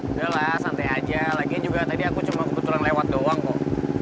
udah lah santai aja lagian juga tadi aku cuma kebetulan lewat doang kok